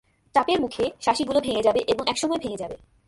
চাপের মুখে, শাসিগুলো ভেঙে যাবে এবং একসময় ভেঙে যাবে।